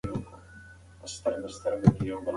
له اردو او پاړسي څخه شوې ژباړې هم شته.